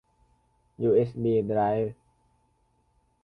ยูเอสบีไดรฟ์